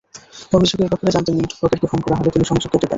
অভিযোগের ব্যাপারে জানতে মিন্টু ফকিরকে ফোন করা হলে তিনি সংযোগ কেটে দেন।